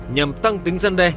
nhằm tăng tính dân đe